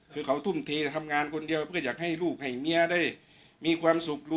คือเขาทุ่มเททำงานคนเดียวเพื่ออยากให้ลูกให้เมียได้มีความสุขรู้